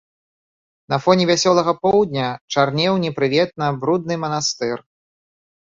На фоне вясёлага поўдня чарнеў непрыветна брудны манастыр.